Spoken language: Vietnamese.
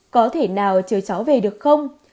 có thể nào chờ cháu về được không